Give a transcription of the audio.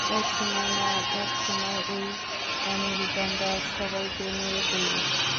একসময় না একসময়, ঐ আমেরিকানরা সবাইকেই মেরে ফেলবে।